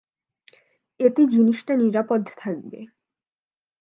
এতে জিনিসটা নিরাপদ থাকবে।